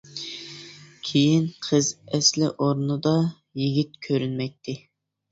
كېيىن، قىز ئەسلى ئورنىدا، يىگىت كۆرۈنمەيتتى.